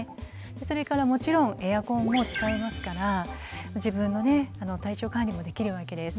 それからもちろんエアコンも使えますから自分のね体調管理もできるわけです。